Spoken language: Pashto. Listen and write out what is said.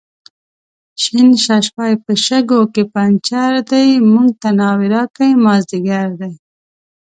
شین ششپای په شګو کې پنچر دی، موږ ته ناوې راکئ مازدیګر دی